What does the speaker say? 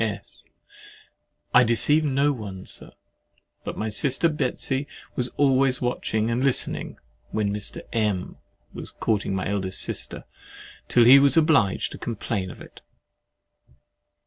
S. I deceive no one, Sir. But my sister Betsey was always watching and listening when Mr. M—— was courting my eldest sister, till he was obliged to complain of it.